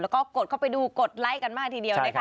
แล้วก็กดเข้าไปดูกดไลค์กันมากทีเดียวนะคะ